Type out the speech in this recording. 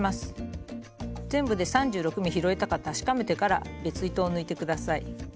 全部で３６目拾えたか確かめてから別糸を抜いて下さい。